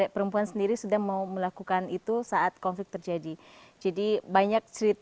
perempuan sendiri sudah mau melakukan itu saat konflik terjadi jadi banyak cerita